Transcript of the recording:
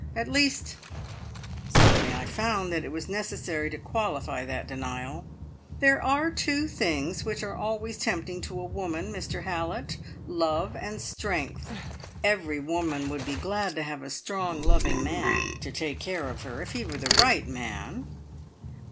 At least " Suddenly I found that it was necessary to qualify that denial. "There are two things which are always tempting to a woman, Mr Hallett love and strength! Every woman would be glad to have a strong, loving man to take care of her if he were the right man!"